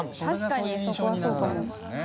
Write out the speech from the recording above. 確かにそこはそうかも。